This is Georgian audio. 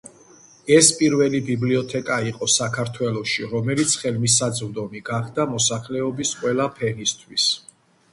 ეს პირველი ბიბლიოთეკა იყო საქართველოში, რომელიც ხელმისაწვდომი გახდა მოსახლეობის ყველა ფენისთვის.